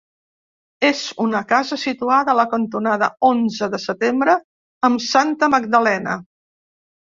És una casa situada a la cantonada Onze de Setembre amb Santa Magdalena.